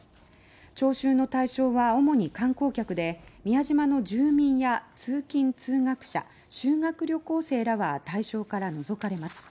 徴収の対象は主に観光客で宮島の住民や通勤・通学者修学旅行生らは対象から除かれます。